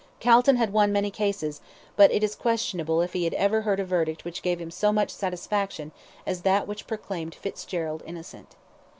Calton had won many cases, but it is questionable if he had ever heard a verdict which gave him so much satisfaction as that which proclaimed Fitzgerald innocent.